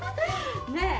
ねえ？